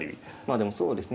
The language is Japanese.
でもそうですね